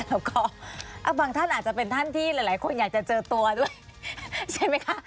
แล้วก็บางท่านอาจจะเป็นท่านที่หลายคนอยากจะเจอตัวด้วยใช่ไหมคะ